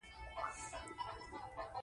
لمسی له نیکه سره د سهار چکر وهي.